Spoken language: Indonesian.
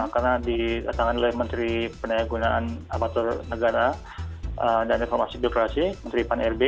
karena ditatangan oleh menteri penyegunan amatur negara dan informasi bidokrasi menteri pan irb